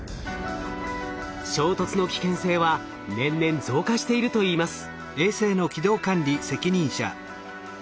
衝突の危険性は年々増加しているといいます。